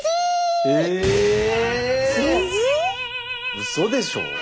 うそでしょ。